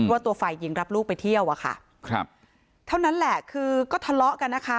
ว่าตัวฝ่ายหญิงรับลูกไปเที่ยวอะค่ะครับเท่านั้นแหละคือก็ทะเลาะกันนะคะ